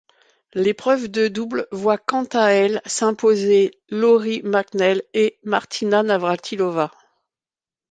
L'épreuve de double voit quant à elle s'imposer Lori McNeil et Martina Navrátilová.